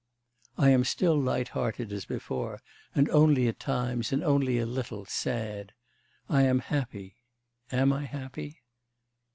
'... I am still light hearted as before, and only at times, and only a little, sad. I am happy. Am I happy?